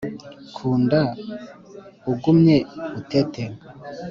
Kunda ugumye utete